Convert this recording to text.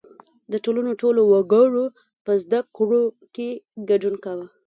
• د ټولنې ټولو وګړو په زدهکړو کې ګډون کاوه.